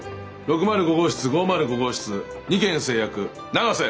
６０５号室５０５号室２件成約永瀬！